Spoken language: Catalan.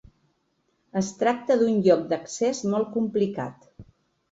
Es tracta d’un lloc d’accés molt complicat.